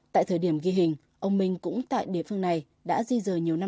tại thời điểm ghi hình ông minh cũng tại địa phương này đã di rời nhiều năm